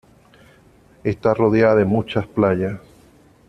Está rodeada de muchas playas.